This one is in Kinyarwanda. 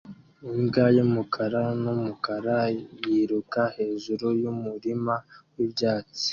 imbwa yumukara numukara yiruka hejuru yumurima wibyatsi